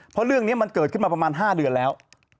เพราะเรื่องนี้มันเกิดขึ้นมาประมาณ๕เดือนแล้ว